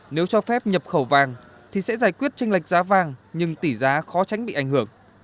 nếu cho phép nhập khẩu vàng thì sẽ giải quyết tranh lệch giá vàng nhưng tỷ giá khó tránh bị ảnh hưởng